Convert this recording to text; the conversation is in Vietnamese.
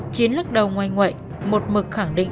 chiến lắc đầu ngoài ngoại một mực khẳng định